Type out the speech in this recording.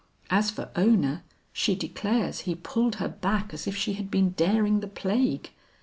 As for Ona, she declares he pulled her back as if she had been daring the plague.